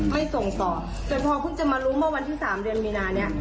ไม่ส่งต่อแต่พอเพิ่งจะมารู้เมื่อวันที่๓เดือนมีนานี้